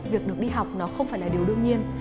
việc được đi học nó không phải là điều đương nhiên